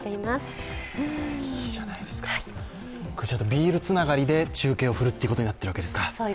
ビールつながりで中継を振ることになっているわけですか。